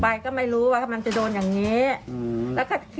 ไปก็ไม่รู้ว่ามันจะโดนอย่างนี้